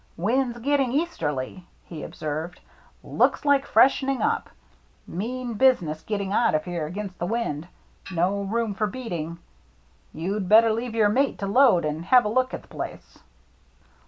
" Wind's getting easterly," he observed. " Looks like freshen ing up. Mean business getting out of here THE CIRCLE MARK 99 against the wind — no room for beating. You'd better leave your mate to load and have a look at the place."